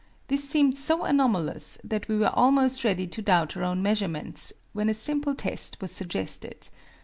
This seemed so anomalous that we were almost ready to doubt our own measurements, when a simple test was suggested.